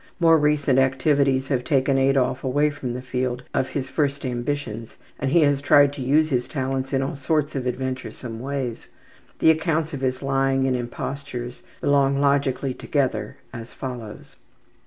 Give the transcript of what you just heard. More recent activities have taken Adolf away from the field of his first ambitions and he has tried to use his talents in all sorts of adventuresome ways. The accounts of his lying and impostures belong logically together, as follows.